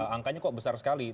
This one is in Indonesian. angkanya kok besar sekali